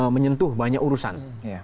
menyentuh banyak urusan